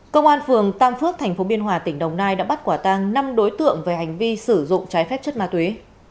công an phường tam phước tp biên hòa tỉnh đồng nai đã bắt quả tăng năm đối tượng về hành vi sử dụng trái phép chất ma túy